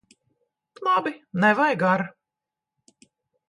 Labi! Nevajag ar'.